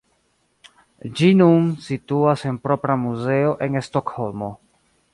Ĝi nun situas en propra muzeo en Stokholmo.